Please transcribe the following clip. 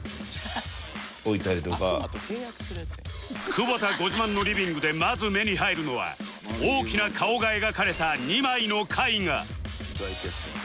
久保田ご自慢のリビングでまず目に入るのは大きな顔が描かれた２枚の絵画